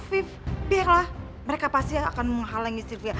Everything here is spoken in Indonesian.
five biarlah mereka pasti akan menghalangi sylvia